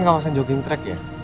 ini kan kawasan jogging track ya